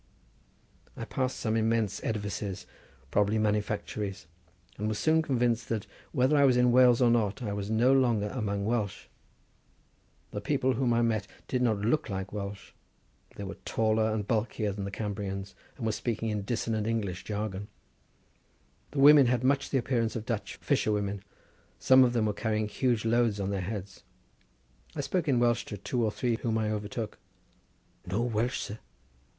I passed some immense edifices, probably manufactories, and was soon convinced that, whether I was in Wales or not, I was no longer amongst Welsh. The people whom I met did not look like Welsh. They were taller and bulkier than the Cambrians, and were speaking a dissonant English jargon. The women had much the appearance of Dutch fisherwomen; some of them were carrying huge loads on their heads. I spoke in Welsh to two or three whom I overtook. "No Welsh, sir!"